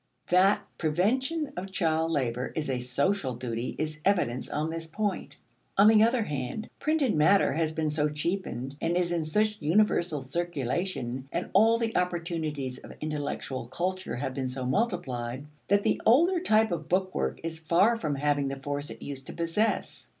That prevention of child labor is a social duty is evidence on this point. On the other hand, printed matter has been so cheapened and is in such universal circulation, and all the opportunities of intellectual culture have been so multiplied, that the older type of book work is far from having the force it used to possess.